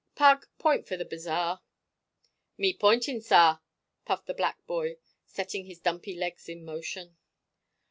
Pug, point for the bazaar." "Me pointing, sar," puffed the black boy, setting his dumpy legs in motion.